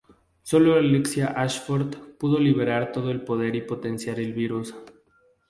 Sólo Alexia Ashford pudo liberar todo el poder y potencial del virus.